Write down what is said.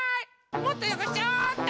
もっとよごしちゃおうっと！